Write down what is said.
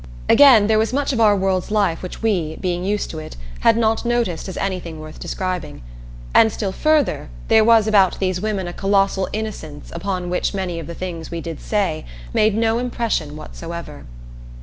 Again there was much of our world's life which we, being used to it, had not noticed as anything worth describing. And still further, there was about these women a colossal innocence upon which many of the things we did say had made no impression whatever.